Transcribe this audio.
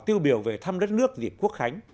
tiêu biểu về thăm đất nước diệp quốc khánh